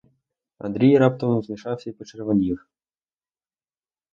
Андрій раптом змішався й почервонів.